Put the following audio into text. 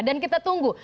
dan kita tunggu